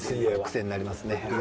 クセになりますね。